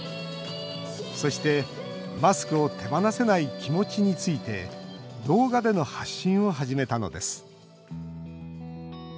そして、マスクを手放せない気持ちについて動画での発信を始めたのです。